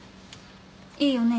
いいよね？